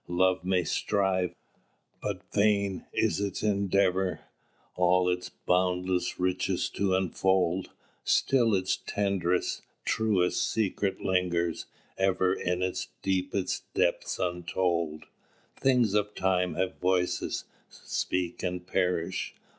"Love may strive; but vain is its endeavour All its boundless riches to unfold; Still its tenderest, truest secret lingers Ever in its deepest depths untold. "Things of Time have voices: speak and perish.